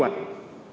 các kế hoạch